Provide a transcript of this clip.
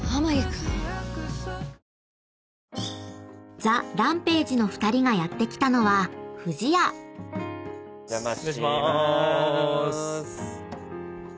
［ＴＨＥＲＡＭＰＡＧＥの２人がやって来たのは］お邪魔しまーす。